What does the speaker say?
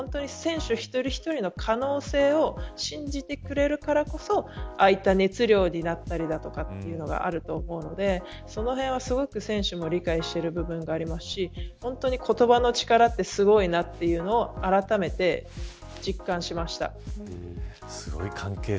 なので本当に選手一人一人の可能性を信じてくれるからこそああいった熱量になったりとかというのがあると思うのでそのへんはすごく選手も理解している部分があると思いますし言葉の力ってすごいなというのをあらためて実感しました。